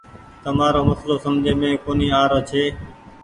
تمآرو مسلو سمجهي مين ڪونيٚ آروڇي۔